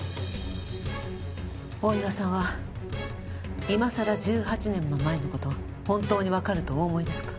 大岩さんは今さら１８年も前の事本当にわかるとお思いですか？